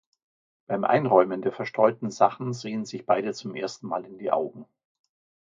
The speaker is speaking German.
Beim Einräumen der verstreuten Sachen sehen sich beide zum ersten Mal in die Augen.